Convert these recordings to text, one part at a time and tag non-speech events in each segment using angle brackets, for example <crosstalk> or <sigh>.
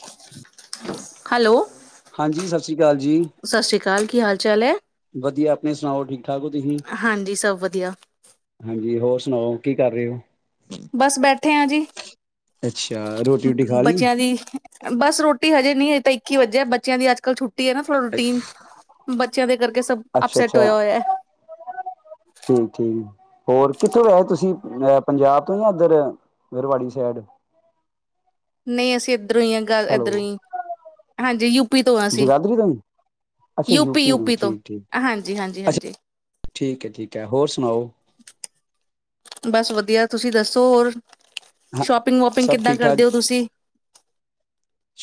<unintelligible> Hello ਹਾਂਜੀ ਸਤਿ ਸ਼੍ਰੀ ਅਕਾਲ ਜੀ ਸਤਿ ਸ੍ਰੀ ਅਕਾਲ ਕੀ ਹਾਲ ਚਾਲ ਹੈ ਨਹੀਂ ਸੁਣਾਓ ਠੀਕ ਠਾਕ ਹੋ ਤੁਸੀਂ ਹਾਂਜੀ ਸਭ ਵਧੀਆ ਹਾਂਜੀ ਹੋਰ ਸੁਣਾਓ ਕੀ ਕਰ ਰਹੇ ਹੋ ਬਸ ਬੈਠੇ ਹ ਜੀ ਅੱਛਾ ਰੋਟੀ ਰੂਟੀ ਖਾ ਲਈ ਬੱਚਿਆਂ ਦੀ ਬਸ ਰੋਟੀ ਹਜੇ ਨਹੀਂ ਇਹ ਤਾਂ ਇੱਕੀ ਵਜੇ ਬੱਚਿਆਂ ਦੀ ਅੱਜ ਕੱਲ ਛੱਟੀ ਰਟੀ ਹੈ ਨਾ ੜਾ ਰੂਟੀਨ ਬੱਚਿਆਂ ਦੇ ਕਰਕੇ ਸਭ ਅੱਛਾ ਅਪਸੈਟ ਅੱਛਾ ਹੋਇਆ ਹੋਇਆ ਠੀਕ ਠੀਕ ਹੋਰ ਕਿੱਥੋਂ ਵਹਿਹੇ ਤੁਸੀਂ ਅਹ ਪੰਜਾਬ ਤੋਂ ਜਾਂ ਇੱਧਰਰਵਾੜੀ ਸਾਈਡ ਨਹੀਂ ਅਸੀਂ ਇਾਂ ਇੱਧਰੋਂ ਹੀ ਆ ਗੱਲ ਹੈਲੋ ਇਏਧਰੋਂ ਹੀ ਹਾਂਜੀ ਯੂ ਪੀ ਤੋਂ ਅਸੀਂ ਜਗਾਦਰੀ ਤੋਂ ਹੀ? ਅੱਛਾ ਯੂਪੀ ਯੂਪੀ ਤੋਂ ਠੀਕ ਠੀਕ ਹਾਂਜੀ ਹਾਂਜੀ ਹਾਂਜੀ ਅੱਛਾ ਹਾਂਜੀ ਠੀਕ ਹੈ ਠੀਕ ਹੈ ਹੋਰ ਸੁਣਾਓ ਬਸ ਵਧੀਆ ਤੁਸੀਂ ਦੱਸੋ ਹੋਰ ਹਾਂ ਸ਼ੋਪਿੰਗ ਵੋਪਿੰਗ ਸਭ ਕਿੱਦਾਂ ਠੀਕ ਠਾਕ ਕਰਦੇ ਹੋ ਤੁਸੀਂ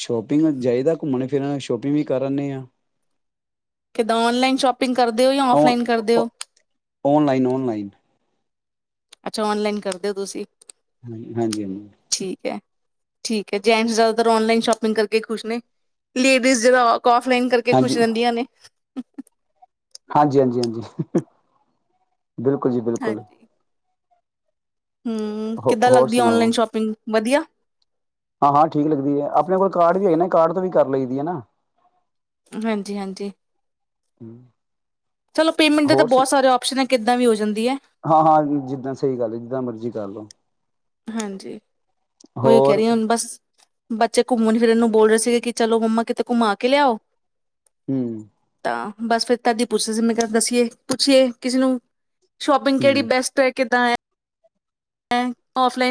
ਸ਼ੋਪਿੰਗ ਚਈਦਾ ਘੁੰਮਣ ਫਿਰ ਸ਼ੋਪਿੰਗ ਵੀ ਕਰ ਲਦੇ ਹਾਂ ਕਿਦਾਂ ਔਨਲਾਈਨ ਸ਼ੋਪਿੰਗ ਕਰਦੇ ਹੋ ਜਾਂ ਔਨ ਫਲਾਈਨ ਕਰਦੇ ਹੋ ਔਨਲਾਈਨ ਔਨਲਾਈਨ ਅੱਛਾ ਔਨਲਾਈਨ ਕਰਦੇ ਹੋ ਤੁਸੀਂ ਹਾਂ ਹਾਂਜੀ ਹਾਂ ਠੀਕ ਹੈ ਠੀਕ ਹੈ ਜੈਂਟਸ ਜ਼ਿਆਦਾਤਰ ਨਲਾਈਨ ਸ਼ੋਪਿੰਗ ਕਰਕੇ ਖੁਸ਼ ਨੇ ਲੇਡੀਜ਼ ਜਿਹੜਾ ਫਲਾਈਨ ਕਰਕੇ ਹਾਂਜੀ ਖੁਸ਼ ਰਹਿੰਦੀਆਂ ਨੇ ਹਾਂਜੀ ਹਾਂਜੀ ਹਾਂਜੀ ਬਿਲਕੁਲ ਜੀ ਬਿਲਕੁਲ ਹਮ ਹੋ ਕਿੱਦਾਂ ਹੋਰ ਲੱਗਦੀ ਸੁਣਾਓ ਔਨਲਾਈਨ ਸ਼ੋਪਿੰਗ ਵਧੀਆ ਹਾਂ ਹਾਂ ਠੀਕ ਲੱਗਦੀ ਹੈ ਆਪਣੇ ਕੋਲ ਕਾਰਡ ਵੀ ਹੈਗੇ ਨਾ ਕਾਰਡ ਤੋਂ ਵੀ ਕਰ ਲਈਦੀ ਹੈ ਨਾ ਹਾਂਜੀ ਹਾਂਜੀ ਹਮ ਚਲੋ ਪੇਮੈਂਟ ਦੇ ਤਾਂ ਬਹੁਤ ਸਾਰੇ ਓਪਸ਼ਨ ਹੈ ਕਿੱਦਾਂ ਵੀ ਹੋ ਜਾਂਦਾ ਹਾਂ ਹਾਂ ਜਿੱਦਾਂ ਸਹੀ ਗੱਲ ਜਿੱਦਾਂ ਮਰਜ਼ੀ ਚਾਲੋ ਹਾਂਜੀ ਉਹੀ ਕਹਿ ਰਹੀ ਹੁਣ ਬਸ ਬੱਚੇ ਘੁੰਮਣ ਫਿਰਨ ਨੂੰ ਬੋਲ ਰਹੇ ਸੀਗੇ ਕਿ ਚਲੋ ਮੰਮਾ ਕਿਤੇ ਘੁੰਮਾ ਕੇ ਲਿਆਓ ਹਮ ਹਾਂ ਬਸ ਫੇਿਰ ਤਦੀ ਪੁੱਛਦੇ ਸੀ ਮੇਰੇ ਕ ਦੱਸੀਏ ਪੁੱਛੀਏ ਕਿਸੇ ਨੂੰ ਸ਼ੋਪਿੰਗ ਕਿਹੜੀ ਹੂੰ ਬੈਸਟ ਹੈ ਕਿੱਦਾਂ ਹੈ ਹਮ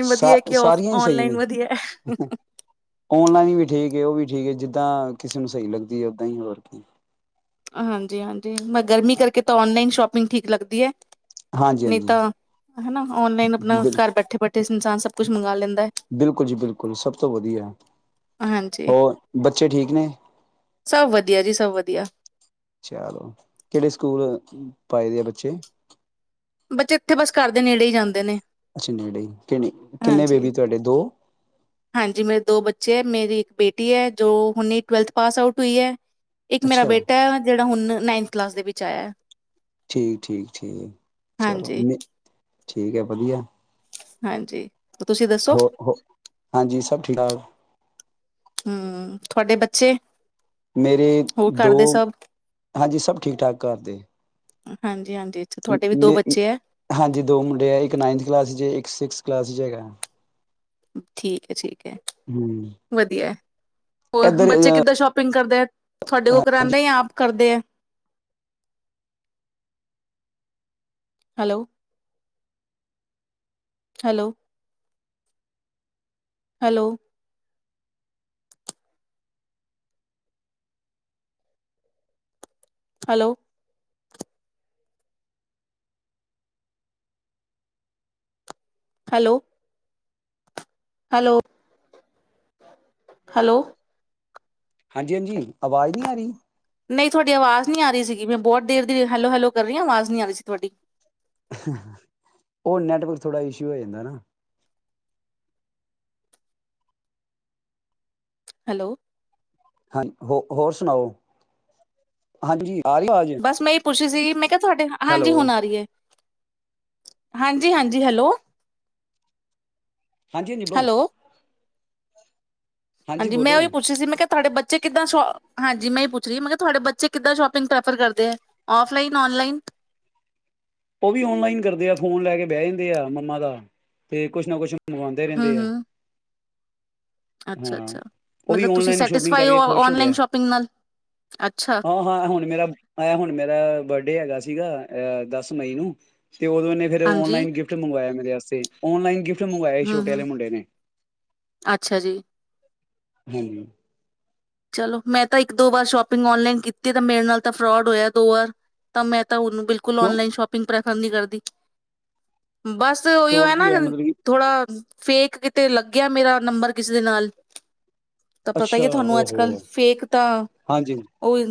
ਸਾ ਸਾਰੀਆਂ ਹੀ ਸਹੀ ਨੇ ਔਨਲਾਈਨ ਵੀ ਠੀਕ ਉਹ ਵੀ ਠੀਕ ਹੈ ਜਿੱਦਾਂ ਕਿਸੇ ਨੂੰ ਸਹੀ ਲੱਗਦੀ ਹੈ ਓਦਾਂ ਹੀ ਹੋਰ ਕੀ ਹਾਂਜੀ ਹਾਂਜੀ ਮੈਂ ਗਰਮੀ ਕਰਕੇ ਤਾਂ ਨਲਾਈਨ ਸ਼ੋਪਿੰਗ ਠੀਕ ਲੱਗਦੀ ਹੈ ਹਾਂਜੀ ਨਹੀਂ ਹਾਂਜੀ ਤਾਂ ਹਨਾ ਓਨਲਾਈਨ ਆਪਣਾ ਬਿਲ ਘਰ ਬੈਠੇ ਬੈਠੇ ਇਨਸਾਨ ਸਭ ਕੁਛ ਮੰਗਵਾ ਲੈਂਦਾ ਹੈ ਬਿਲਕੁਲ ਜੀ ਬਿਲਕੁਲ ਸਭ ਤੋਂ ਵਧੀਆ ਹਾਂਜੀ ਹੋਰ ਬੱਚੇ ਠੀਕ ਨੇ ਸਭ ਵਧੀਆ ਜੀ ਸਭ ਵਧੀਆ ਚਲੋ ਕਿਹੜੇ ਸਕੂਲ ਪਾਏ ਦੇ ਆ ਬੱਚੇ ਬੱਚੇ ਇੱਥੇ ਬਸ ਕਰਦੇ ਨੇੜੇ ਹੀ ਜਾਂਦੇ ਨੇ ਅੱਛਾ ਨੇੜੇ ਕਿੰਨੇ ਕਿੰਨੇ ਹਾਂਜੀ ਬੇਬੀ ਤੁਹਾਡੇ ਦੋ ਹਾਂਜੀ ਮੇਰੇ ਦੋ ਬੱਚੇ ਮੇਰੀ ਇੱਕ ਬੇਟੀ ਹੈ ਜੋ ਹੁਣੀ ਟਵੈਲਥ ਪਾਸ ਆਊਟ ਹੋਈ ਹੈ ਇੱਕ ਮੇਰਾ ਅੱਛਾ ਬੇਟਾ ਜਿਹੜਾ ਹੁਣ ਨਾਈਨਥ ਕਲਾਸ ਦੇ ਵਿੱਚ ਆਇਆ ਹੈ ਠੀਕ ਠੀਕ। ਠੀਕ ਚਲੋ, ਹਾਂਜੀ ਮੇ ਠੀਕ ਹੈ ਵਧੀਆ। ਹਾਂਜੀ। ਤੁਸੀਂ ਦੱਸੋ ਹੋਰ ਹੋ ਹਾਂਜੀ ਸਭ ਠੀਕ-ਠਾਕ। ਹੂੰ, ਤੁਹਾਡੇ ਬੱਚੇ। ਮੇਰੇ ਹੋਰ ਦੋ ਕਰਦੇ ਸਭ ਹਾਂਜੀ ਸਭ ਠੀਕ-ਠਾਕ ਘਰਦੇ। ਹਾਂਜੀ ਹਾਂਜ ਨੇ ਹਾਂਜੀ ਦੋ ਮੁੰਡੇ ਹੈ, ਇੱਕ ਨਾਈਨਥ ਕਲਾਸ ਚ ਇੱਕ ਸਿਕਸ ਕਲਾਸ ਚ ਹੈਗੈ। ਠੀਕ ਹੈ ਠੀਕ ਹੈ, ਹਮ ਵਧੀਐ। ਹੋਰ ਇੱਧਰ ਬੱਚੇ ਕਿੱਦਾਂ ਸ਼ੋਪਿੰਗ ਕਰਦੇ ਐ? ਤੁਹਾਡੇ ਕੋ ਕਰਾਦਾ, ਹਾਂਜੀ ਯਾ ਆਪ ਕਰਦੇ ਐ। Hello. Hello. Hello. Hello. Hello. Hello. Hello. ਹਾਂਜੀ ਹਾਂਜੀ, ਆਵਾਜ਼ ਨੀ ਆ ਰੀ? ਨਹੀਂ ਤੋਡੀ ਆਵਾਜ਼ ਨੀ ਆ ਰੀ ਸੀਗੀ ਮੈਂ ਬੌਤ ਦੇਰ ਦੀ ਹੈਲੋ ਹੈਲੋ ਕਰ ਰੀ ਆਂ, ਆਵਾਜ਼ ਨੀ ਆ ਰੀ ਸੀ ਤੁਹਾਡੀ। ਔ ਨੈੱਟਵਰਕ ਥੋੜ੍ਹਾ ਇਸ਼ੂ ਹੋ ਜਾਂਦੈ ਨਾ। ਹੈਲੋ। ਹਾਂਜ, ਹੋ-ਹੋਰ ਸੁਣਾਓ? ਹਾਂਜੀ। ਆਰੀ ਅਵਾਜ? ਪੁੱਛਰੀ ਸੀਗੀ ਮੈਂ ਕਿਆ ਤੁਹੈਡੇ, ਹਾਂਜੀ ਹੁਣ ਆ ਰੀ ਏ। ਹਾਂਜੀ ਹਾਂਜੀ, ਹੈਲੋ। ਹਾਂਜੀ ਨਿਬੋ ਹੈਲੋ ਹਾਂਜੀ ਮੈਂ ਔਈਔ ਪੁੱਛਰੀ ਸੀ, ਮੈਂ ਕਿਆ ਤੁਹਾਡੇ ਬੱਚੇ ਕਿਦਾਂ ਸੋ਼ ਹਾਂਜੀ ਮੈਂ ਈ ਪੁੱਛ ਰੀ ਤੁਹਾਡੇ ਬੱਚੇ ਕਿੱਦਾਂ ਸ਼ੋਪਿੰਗ ਪ੍ਰੈਫਰ ਕਰਦੇ ਐ, ਔਫਲਾਈ ਔਨਲਾਈਨ। ਔਵੀ ਔਨਲਾਈਨ ਕਰਦੇ ਆ ਫੋਨ ਲੈ ਕੇ ਬੈ ਜਾਂਦੇ ਆ ਮੰਮਾ ਦਾ, ਤੇ ਕੁਛ ਨਾ ਕੁਛ ਮੰਗਾਂਦੇ ਹੂੰ ਰੈੰਦੇ ਆ। ਹੂੰ ਅੱਛਾ ਹਾਂ, ਅੱਛਾ ਔ ਵੀ ਮਤਲਬ ਤੁਸੀਂ ਔਨਲਾਈਨ ਸ਼ੋਪਿੰਗ ਸੈਟਿਸਫਾਈ ਹੋ ਕਰਕੇ ਖੁਸ਼ ਹੋਗੇ ਔਨਲਾਈਨ ਐ, ਸ਼ੋਪਿੰਗ ਨਾਲ ਅੱਛਾ ਹਾਂ ਹਾਂ, ਹੁਣ ਮੇਰਾ ਆ ਹੁਣ ਮੇਰਾ ਬਰਡੇ ਹੈਗਾ ਸੀ। ਸੀਗਾ ਅਹ ਦਸ ਮਈ ਨੂੰ ਤੇ ਉਦੋਂ ਨੇ ਫਿਰ ਹਾਂਜੀ ਨਲਾਈਨ ਗਿਫਟ ਮੰਗਵਾਇਆ ਮ ਨਲਾਈਨ ਗਿ ਮੰਗਵਾਏ ਹੂੰ ਛੋਟੇ ਵਾਲੇ ਹੂੰ ਮੁੰਡੇ ਨੇ ਅੱਛਾ ਜੀ ਹਾਂਜੀ ਚਲੋ ਮੈਂ ਤਾਂ ਇੱਕ ਦੋ ਵਾਰ ਸ਼ੋਪਿੰਗ ਨਲਾਈਨ ਕੀਤੀ ਤਾਂ ਮੇਰੇ ਨਾਲ ਤਾਂ ਫਰੋਡ ਹੋਇਆ ਦੋ ਵਾਰ ਤਾਂ ਮੈਂ ਤਾਂ ਉਹਨੂੰ ਬਿਲਕੁਲ ਕਿਉਂ ਔਨਲਾਈਨ ਸ਼ੋਪੰਪਿੰਗ ਪ੍ਰ ਪਸੰਦ ਨ ਕਰਦੀ ਬਸ ਓਹੀਓ ਹੈ ਫਰੋਡ ਕੀ ਨਾ ਮਤਲਬ ਕਿ ਥੋੜਾ ਫੇਕ ਕਿਤੇ ਲੱਗਿਆ ਮੇਰਾ ਨੰਬਰ ਕਿਸੇ ਦੇ ਨਾਲ ਤਾਂ ਪਤਾ ਅੱਛਾ ਹੀ ਤੁਹਾਨੂੰ ਅੱਜ ਓਹੋ ਕੱਲ ਫੇਕ ਤਾਂ ਹਾਂਜੀ ਉਹਹੀ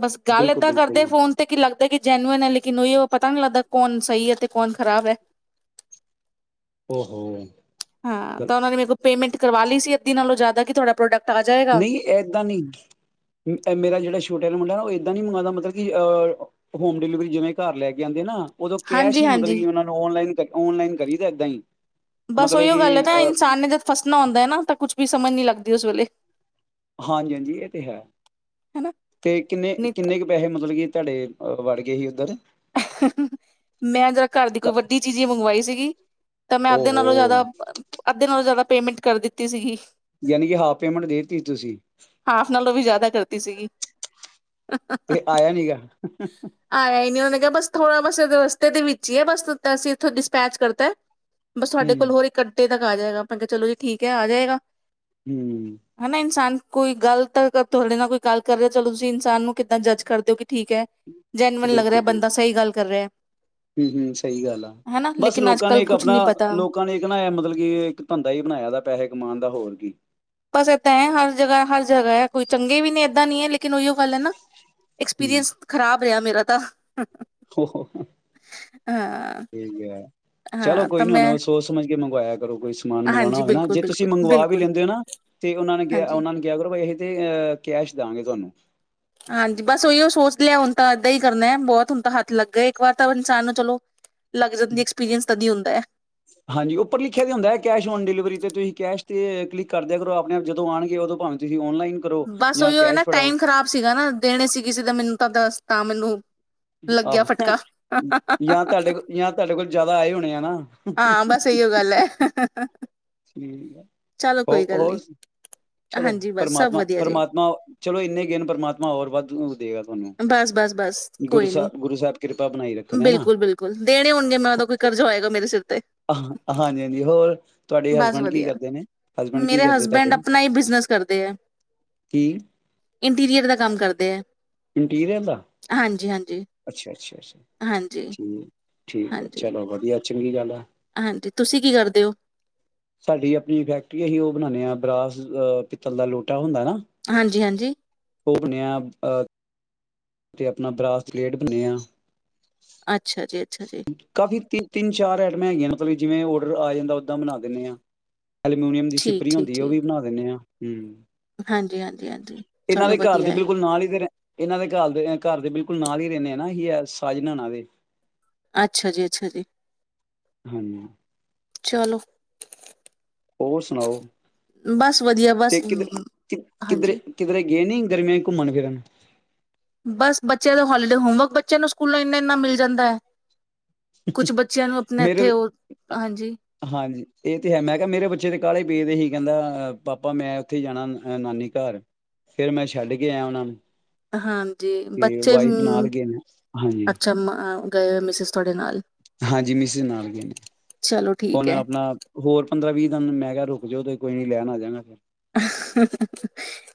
ਬਸ ਗੱਲ ਬਿਲਕੁਲ ਏਦਾਂ ਬਿਲਕੁਲ ਕਰਦੇ ਫੋਨ ਤੇ ਕੀ ਲੱਗਦਾ ਕਿ ਜੈਨੂਨ ਹੈ ਲੇਕਿਨ ਉਹੀ ਉਹ ਪਤਾ ਨਹੀਂ ਲੱਗਦਾ ਕੌਣ ਸਹੀ ਹੈ ਤੇ ਕੌਣ ਖ਼ਰਾਬ ਹੈ। ਹੋ- ਹੋ ਹਾਂ ਤਾਂ ਉਹਨਾਂ ਨੇ ਮੇਰੇ ਕੋ ਪੇਮੈਂਟ ਕਰਵਾ ਲਈ ਸੀ ਅੱਧੀ ਨਾਲੋਂ ਜ਼ਿਆਦਾ ਕਿ ਤੁਹਾਡਾ ਪ੍ਰੋਡਕਟ ਆ ਜਾਏਗਾ ਨਹੀਂ ਏਦਾਂ ਨਹੀਂ, ਮੇਰਾ ਜਿਹੜਾ ਛੋਟਾ ਨਾ ਮੁੰਡਾ ਨਾ ਉਹ ਏਦਾਂ ਨੀ ਮੰਗਉਦਾ ਮਤਲਬ ਕਿ ਅਹ ਹੋਮ ਡਿਲੀਵਰੀ ਜਿਵੇਂ ਘਰ ਲੈ ਕੇ ਆਉਂਦੇ ਨਾ ਉਦੋਂ ਕੈਸ਼ ਹਾਂਜੀ ਹੀ ਮਤਲਬ ਹਾਂਜੀ ਕਿ ਉਹਨਾ ਨੂੰ ਔਨਲਾਈਨ ਔਨਲਾਈਨ ਕਰੀਦਾ ਏਦਾਂ ਹੀ ਬਸ ਮਤਲਬ ਉਹੀੋ ਗੱਲ ਹੈ ਕਿ ਨਾ ਅ ਇਨਸਾਨ ਨੇ ਜਦ ਫਸਣਾ ਹੁੰਦਾ ਹੈ ਨਾ ਤਾਂ ਕੁੱਛ ਵੀ ਸਮਝ ਨੀ ਲੱਗਦੀ ਉਸ ਵੇਲੇ ਹਾਂਜੀ- ਹਾਂਜੀ ਇਹ ਤੇ ਹੈ ਹਨਾ ਤੇ ਕਿੰਨੇ ਨਹੀਂ ਕਿੰਨੇ ਕੁ ਪੈਸੇ ਮਤਲਬ ਕਿ ਤੁਹਾਡੇ ਵੜ ਗਏ ਸੀ ਉੱਧਰ ਤਾਂ ਮੈਂ ਜਰਾ ਘਰ ਦੀ ਕੋਈ ਕ- ਵੱਡੀ ਚੀਜ਼ ਹੀ ਮੰਗਵਾਈ ਸੀਗੀ ਤਾਂ ਮੈਂ ਅੱਧੇ ਓਹੋ ਨਾਲੋਂ ਜ਼ਿਆਦਾ ਅੱਧੇ ਨਾਲੋਂ ਜ਼ਿਆਦਾ ਪੇਮੈਂਟ ਕਰ ਦਿੱਤੀ ਸੀਗੀ ਯਾਨੀ ਕਿ ਹਾਫ ਪੇਮੈਂਟ ਦੇਤੀ ਤੁਸੀਂ ਕੀਤੀ ਸੀਗੀ ਤੇ ਆਇਆ ਨੀ ਗਾ ਤੇ ਬਸ <unintelligible> ਥੋੜਾ ਮਸ ਰਸਤੇ ਦੇ ਵਿੱਚ ਹੀ ਹੈ ਬਸ ਅਸੀਂ ਇਥੋਂ ਡਿਸਪੈਚ ਕਰਤਾ ਬਸ ਹੂੰ ਸਾਡੇ ਕੋਲ ਹੋਰ ਇੱਕ ਅੱਡੇ ਤੱਕ ਆ ਜਾਏਗਾ। ਮੈਂ ਕਿਹਾ ਚਲੋ ਜੀ ਠੀਕ ਹੈ ਆ ਜਾਏਗਾ ਹੂੰ ਹਨਾ ਇਨਸਾਨ ਕੋਈ ਗੱਲ ਤਾਂ ਤੁਹਾਡੇ ਨਾਲ ਕੋਈ ਗੱਲ ਕਰ ਰਿਹਾ ਚਲੋ ਤੁਸੀਂ ਇਨਸਾਨ ਨੂੰ ਕਿੱਦਾਂ ਜੱਜ ਕਰਦੇ ਹੋ। ਠੀਕ ਹੈ ਜੈਨਵਨ ਲੱਗ ਰਿਹਾ ਬੰਦਾ ਗੱਲ ਕਰ ਰਿਹਾ ਹੈ। ਹਮ- ਹਮ ਸਹੀ ਗੱਲ ਆ। ਹਨਾ ਬਸ ਲੇਕਿਨ ਅੱਜ ਲੋਕਾਂ ਨੇ ਕੱਲ ਇੱਕ ਕੁਛ ਆਪਣਾ ਨੀ ਪਤਾ ਲੋਕਾਂ ਨੇ ਇੱਕ ਨਾ ਇਹ ਮਤਲਬ ਕਿ ਇੱਕ ਧੰਦਾ ਹੀ ਬਣਾਇਆ ਦਾ ਪੈਸੇ ਕਮਾਉਣ ਦਾ ਹੋਰ ਕੀ ਬਸ ਇਏਦ ਹੈ ਹਰ ਜਗ੍ਹਾ ਹਰ ਜਗ੍ਹਾ ਹੈ ਕੋਈ ਚੰਗੇ ਵੀ ਨਹੀਂ ਇਏਦਾਂ ਨ ਹੈ ਲ ਨ ਉ ਗੱਲ ਹੈ ਨਾ ਐਕਸਪੀਰੀਅੰਸ ਖਰਾਬ ਰਿਹਾ ਮੇਰਾ ਤਾਂ ਠਕ ਹਾਂ ਚਲੋ ਹਾਂ ਕੋਈ ਤਾਂ ਨੀ ਮੈਂ ਉਹਨੂੰ ਸੋਚ ਸਮਝ ਕੇ ਮੰਗਵਾਇਆ ਕਰੋ ਕੋਈ ਸਮਾਨ ਮੰਗਵਾਉਣਾ ਹਾਂਜੀ ਹੋਵੇ ਨਾ ਬਿਲਕੁਲ ਜੇ ਤੁਸੀਂ ਬਿਲਕੁਲ ਮੰਗਵਾ ਵੀ ਬਿਲਕੁਲ ਲੈਂਦੇ ਹੋ ਨਾ ਤੇ ਉਹਨਾਂ ਨੇ ਕਿਹਾ ਹਾਂਜੀ ਉਹਨਾਂ ਨੇ ਕਿਹਾ ਕਰੋ ਇਹ ਤੇ ਅਹ ਕੈਸ਼ ਦਵਾਂਗੇ ਤੁਹਾਨੂੰ ਹਾਂਜੀ ਬਸ ਉਹੀਓ ਸੋਚ ਲਿਆ ਹੁਣ ਤਾਂ ਏਦਾਂ ਹੀ ਕਰਨਾ ਬਹੁਤ ਹੁਣ ਤਾਂ ਹੱਥ ਲੱਗ ਗਿਆ ਇੱਕ ਵਾਰ ਤਾਂ ਇਨਸਾਨ ਨੂੰ ਚਲੋ ਲੱਗ ਜਾਂਦੀ ਐਕਸਪੀਰੀਅੰਸ ਤਦੀ ਹੁੰਦਾ ਹੈ ਹਾਂਜੀ ਉੱਪਰ ਲਿਖਿਆ ਦੇ ਹੁੰਦਾ ਹੈ ਕਿਆ ਔਨ ਡਿਲੀਵਰੀ ਤੇ ਤੁਸੀਂ ਕੈਸ਼ ਤੇ ਕਲਿਕ ਕਰਦਿਆ ਕਰੋ ਆਪਣੇ ਜਦੋਂ ਆਉਣਗੇ ਉਦੋਂਾਵੇਂ ਤੁਸੀਂ ਔਨਲਾਈਨ ਕਰੋ ਬਸ ਜਾਂ ਉਹੀਓ ਹੈ ਨਾ ਕੈਸ਼ ਫੜਾਓ। ਟਾਈਮ ਖ਼ਰਾਬ ਸੀਗਾ ਨਾ ਦੇਣੇ ਸੀ ਕਿਸੇ ਦਾ ਮੈਨੂੰ ਤਾਂ ਦ ਤਾਮਿਲ ਨੂੰ ਆਹੋ ਜਾਂ ਤੁਹਾਡੇ ਕੋਲ ਜਾਂ ਤੁਹਾਡੇ ਕੋਲ ਜ਼ਿਆਦਾ ਆਏ ਹੋਣੇ ਆ ਨਾ ਹਾਂ ਬਸ ਇਹੀਓ ਗੱਲ ਹੈ <inaudible> ਚਲੋ ਹੋ ਕੋਈ ਗੱਲ ਹੋਰ ਨੀ ਚਲੋ ਹਾਂਜੀ ਬਸ ਸਭ ਪ੍ਰਮਾਤਮਾ ਵਧੀਆ ਜੀ ਪ੍ਰਮਾਤਮਾ ਚਲੋ ਇੰਨੇ ਗਨ ਪ੍ਰਮਾਤਮਾ ਹੋਰ ਵੱਧ ਦੇਗਾ ਤੁਹਾਨੂੰ ਬਸ ਬਸ ਬਸ ਗੁਰੂ ਕੋਈ ਨੀ ਸਾਹਿਬ ਗੁਰੂ ਸਾਹਿਬ ਕਿਰਪਾ ਬਣਾਈ ਰੱਖਣ ਹੈਾ ਬਿਲਕੁਲ-ਬਿਲਕੁਲ ਦੇਣੇ ਹੋਣਗੇ ਮੈਂ ਉਹਦਾ ਕੋਈ ਕਰਜ਼ਾ ਹੋਏਗਾ ਮੇਰੇ ਸਿਰ ਤੇ ਹਾਂਜੀ ਹਾਂਜੀ ਹੋਰ ਸਾਡੇ ਬਸ ਹਸਬੈਂਡ ਕੀ ਵਧੀਆ ਕਰਦੇ ਨੇ ਹਸਬੈਂਡ ਕੀ ਮੇਰੇ ਕਰਦੇ ਹਸਬੈਂਡ ਤੁਹਾਡੇ? ਆਪਣਾ ਹੀ ਬਿਜਨਸ ਕਰਦੇ ਆ ਕੀ ਇੰਟੀਰੀਅਰ ਦਾ ਕੰਮ ਕਰਦੇ ਆ ਹਾਂਜੀ ਹਾਂਜੀ ਅੱਛਾ ਅੱਛਾ ਅੱਛਾ ਠੀਕ ਠੀਕ ਹੈ ਹਾਂਜੀ ਹਾਂਜੀ ਚਲੋ ਵਧੀਆ ਚੰਗੀ ਗੱਲ ਹੈ ਹਾਂਜੀ ਤੁਸੀਂ ਕੀ ਕਰਦੇ ਹੋ ਸਾਡੀ ਆਪਣੀ ਫੈਕਟਰੀ ਅਸੀਂ ਉਹ ਬਣਾਦੇ ਹਾਂ ਬਰਾਸ ਅਹ ਪਿੱਤਲ ਦਾ ਲੋਟਾ ਹੁੰਦਾ ਹਾਂਜੀ-ਹਾਂਜੀ ਉਹ ਬਣਿਆ ਅਹ ਅਤੇ ਆਪਣਾ ਬਰਾਸਪਲੇਟ ਬੰਨਿਆ ਅੱਛਾ ਜੀ ਅੱਛਾ ਜੀ ਕਾਫੀ ਤ ਤਿੰਨ ਚਾਰ ਐਈਟਮਾਂ ਹੈਗੀਆਂ ਨੇ ਜਿਵੇਂ ਔਡਰ ਆ ਜਾਂਦਾ ਓਦਾਂ ਬਣਾ ਦਿੰਦੇ ਹਾਂ ਐਲੂਮੀਨੀਅਮ ਦੀ ਸਿਪਰੀ ਹੁੰਦੀ ਉਹ ਠੀਕ-ਠੀਕ-ਠੀਕ ਵੀ ਬਣਾ ਦਿੰਦੇ ਹਾਂ ਹਮ ਹਾਂਜੀ-ਹਾਂਜੀ-ਹਾਂਜੀ ਇਹਨਾਂ ਦੇ ਚਲੋ ਘਰ ਵਧੀਆ ਦੇ ਹੈ ਬਿਲਕੁਲ ਨਾਲ ਹੀ ਤੇ ਇਹਨਾਂ ਦੇ ਘਰ ਦੇ ਬਿਲਕੁਲ ਨਾਲ ਹੀ ਰਹਿੰਦੇ ਆ ਨਾ ਹੀ ਸਾਜਨਾਾਂ ਦੇ ਅੱਛਾ ਜੀ ਅੱਛਾ ਜੀ ਹਾਂਜੀ ਚਲੋ ਹੋਰ ਸੁਣਾਓ ਬਸ ਵਧੀਆ ਤੇ ਬਸ ਕਿਧ ਕਿਧਰੇ ਹਾਂਜੀ ਕਿਧਰੇ ਗਏ ਨੀ ਗਰਮੀਆਂ ਘੁੰਮਣ ਫਿਰਨ ਬਸ ਬੱਚਿਆਂ ਦੇ ਹਲੀੀਡੇ ਹੋਮਵਰਕ ਬੱਚਿਆਂ ਨੂੰ ਸਕੂਲਾਂ ਇੰਨਾ ਇੰਨਾ ਮਿਲ ਜਾਂਦਾ ਹੈ ਕੁਛ ਬੱਚਿਆਂ ਨੂੰ ਆਪਣੇ ਇੱਥੇ ਮੇਰੇ ਉਹ ਹਾਂਜੀ ਇਹ ਤੇ ਹੈ ਮੈਂ ਕਿਹਾ ਮੇਰੇ ਬੱਚੇ ਤੇ ਕਾਹਾਲੇ ਪੀਦੇ ਸੀ ਕਹਿੰਦਾ ਪਾਪਾ ਮੈਂ ਉੱਥੇ ਜਾਣਾ ਨਾਨੀ ਘਰ ਫੇਿਰ ਮੈਂ ਛੱਡ ਕੇ ਆਇਆ ਉਹਨਾ ਨੂੰ ਹਾਂਜੀ ਤੇ ਬੱਚੇ ਵਾਈਫ ਹ ਨਾਲ ਗਏ ਨੇ ਹਾਂਜੀ ਅੱਛਾ ਗਏ ਹੋ ਮਿਸ ਤੁਹਾਡੇ ਨਾਲ ਹਾਂਜੀ ਮਿਸ ਨਾਲ ਗਏ ਨੇ ਚਲੋ ਠੀਕ ਹੁਣ ਹੈ ਆਪਣਾ ਹੋਰ ਪੰਦਰਾਂ ਵੀਹ ਮੈਂ ਕਿਹਾ ਰੁਕ ਜਾਓ ਤੇ ਕੋਈੀ ਲੈਣ ਆ ਜਾਗਾ ਫਿਰ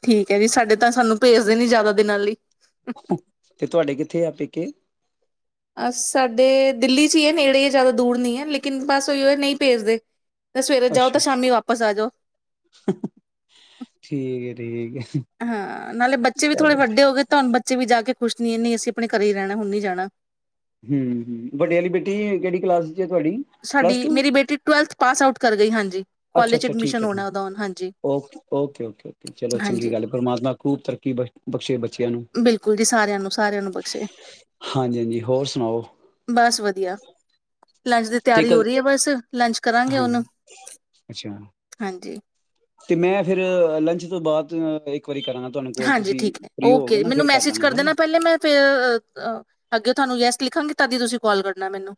ਠੀਕ ਹੈ ਜੀ ਸਾਡੇ ਤਾਂ ਸਾਨੂੰ ਭੇਜਦੇ ਨੀ ਜ਼ਿਆਦਾ ਦਿਨਾਂ ਲਈ ਤੇ ਤੁਹਾਡੇ ਕਿੱਥੇ ਆ ਪੇਕੇ ਅ ਸਾਡੇ ਦਿੱਲੀ ਚ ਹੀ ਹੈ ਨੇੜੇ ਇਹ ਜ਼ਿਆਦਾ ਦੂਰ ਨਹੀਂ ਹੈ ਲੇਕਿਨ ਬਸ ਉਹੀ ਨਹੀਂ ਭੇਜਦੇ ਤੇ ਸਵੇਰੇ ਜਾਓ ਤੇ ਅੱਛਾ ਅੱਛਾ ਸ਼ਾਮੀ ਵਾਪਸ ਆ ਜਾਓ ਠੀਕ ਹੈ ਠੀਕ ਹੈ ਹਾਂ ਨਾਲੇ ਬੱਚੇ ਵੀ ਥੋੜੇ ਚਲੋ ਵੱਡੇ ਹੋ ਗਏ ਤੁਹਾਨੂੰ ਬੱਚੇ ਵੀ ਜਾ ਕੇ ਕੁੱਛ ਨੀ ਇਹ ਨਹੀਂ ਅਸੀਂ ਆਪਣੇ ਘਰ ਹੀ ਰਹਿਣਾ ਹੁਣ ਨ ਜਾਣਾ ਹਮ ਹਮ ਵੱਡੇ ਵਾਲੀ ਬੇਟੀ ਕਿਹੜੀ ਕਲਾਸ ਤੁਹਾ ਸਾਡੀ ਟੂ ਮੇਰੀ ਬੇਟੀ ਟਵੈਲਥ ਪਾਸ ਆਊਟ ਕਰ ਗਈ ਹਾਂਜੀ ਅੱਛਾ ਕਾਲਜ ਚ ਅੱਛਾ ਠੀਕ ਐਡਮਿਸ਼ਨ ਹੈਠੀ ਹੋਣਾ ਉਹਦਾ ਹੁਣ ਹਾਂਜੀ ਓ ਓਕੇ ਓਕੇ ਓ ਚਲੋ ਚੰਗੀ ਹਾਂਜੀ ਗੱਲ ਪਰਮਾਤਮਾ ਖੂਬ ਤਰੱਕੀ ਬਖਸ਼ੇ ਬੱਚਿਆਂ ਨੂੰ ਬਿਲਕੁਲ ਜੀ ਸਾਰਿਆਂ ਨੂੰ ਸਾਰਿਆਂ ਨੂੰ ਬਖਸ਼ੇ ਹਾਂਜੀ ਹਾਂਜੀ ਹੋਰ ਸੁਣਾਓ ਬਸ ਵਧੀਆ ਲੰਚ ਦੀ ਤੇ ਤਿਆਰੀ ਹੋ ਕਦੀ ਰਹੀ ਹੈ ਬਸ ਲੰਚ ਕਰਾਂਗੇ ਹਾਂਜੀ ਉਹਨੂੰ ਅੱਛਾ ਹਾਂਜੀ ਤੇ ਮੈਂ ਫਿਰ ਲੰਚ ਤੋਂ ਬਾਅਦ ਵਾਰੀ ਕਰਾਂਗਾ ਤੁਹਾਨੂੰ ਕੋਲ ਹਾਂਜੀ ਤੁਸੀਂ ਠੀਕ ਹੈ ਫਰੀ ਹੋਗੇ ਓਕੇ ਜ ਨਾ ਮੈਨੂੰ ਫਿਰ ਮੈਸੇਜ ਲਾਂਗੇ ਕਰ ਹਨਾ ਦੇਣਾ ਪਹਿਲੇ ਮੈਂ ਫ ਅੱਗੇ ਤੁਹਾਨੂੰ ਯੈਸ ਲਿਖਾਂਗੇ ਤਦੀ ਤੁਸੀਂ ਕਾਲ ਕਰਨਾ ਮੈਨੂੰ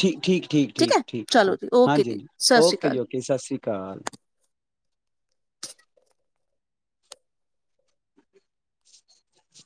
ਠੀਕ ਠੀਕ ਠੀਕ ਠੀਕ ਹੈ ਠੀਕ ਚਲੋ ਠੀਕ ਜੀ ਓਕੇ ਹਾਂਜੀ ਜੀ ਹਾਂਜੀ ਸਤਿ ਸ਼੍ਰੀ ਓਕੇ ਅਕਾਲ ਜੀ ਓਕੇ ਸਤਿ ਸ਼੍ਰੀ ਅਕਾਲ <unintelligible>